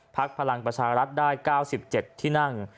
พลังประชารัฐได้๙๗ที่นั่ง